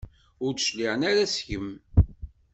Ur d-cliɛen ara seg-m.